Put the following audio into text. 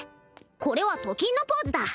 これはと金のポーズだ